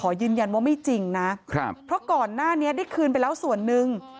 ยืนยันว่าไม่จริงนะครับเพราะก่อนหน้านี้ได้คืนไปแล้วส่วนหนึ่ง